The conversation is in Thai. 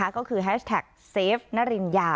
ก็คือแฮชแท็กเซฟนริญญา